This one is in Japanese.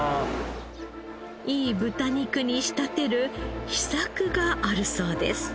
いい豚肉に仕立てる秘策があるそうです。